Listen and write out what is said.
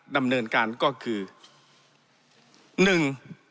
ดำเนินการก็คือหนึ่ง